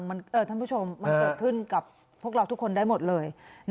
มันเกิดขึ้นกับพวกเราทุกคนได้หมดเลย